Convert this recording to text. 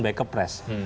baik ke pres